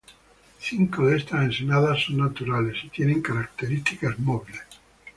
Cinco de estas ensenadas son naturales y tienen características móviles.